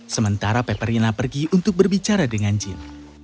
sementara peperina pergi untuk berbicara dengan jin